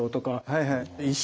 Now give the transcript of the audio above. はいはい。